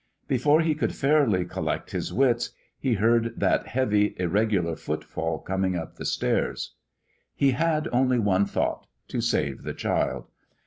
Before he could fairly collect his wits, he heard that heavy, irregular footfall coming up the stairs. He had only one thought to save the child.